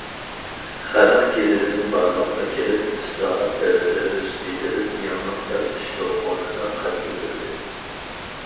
خەلق گېزىتىدىن بارلىققا كېلىپ، ئىسلاھات دەۋرىدە ئۆسۈپ يېتىلىپ، يېڭىلىق يارىتىش دولقۇنىدا قەد كۆتۈردى.